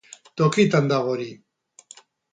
Tokitan dago hori!